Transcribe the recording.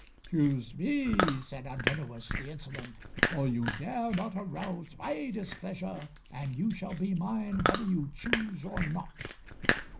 "Choose me," said Arttinous, the insolent; "for you dare not arouse my displeasure, and you shall be mine whether you choose or not."